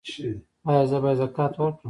ایا زه باید زکات ورکړم؟